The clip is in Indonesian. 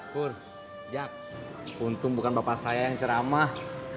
hur jack kultum bukan bapak saya yang ceramah